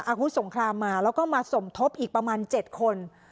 อาวุธสงครามมาแล้วก็มาสมทบอีกประมาณ๗คน